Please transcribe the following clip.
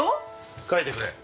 書いてくれ。